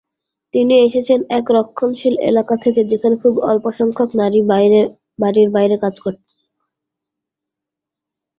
তিনি এসেছেন এক রক্ষণশীল এলাকা থেকে, যেখানে খুব অল্পসংখ্যক নারী বাড়ির বাইরে কাজ করেন।